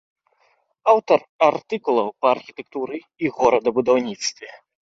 Аўтар артыкулаў па архітэктуры і горадабудаўніцтве.